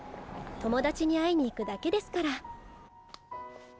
友達に会いに行くだけですから。